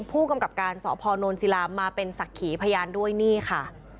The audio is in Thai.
ผู้กำกับการสพนศิลามาเป็นศักดิ์ขีพยานด้วยนี่ค่ะ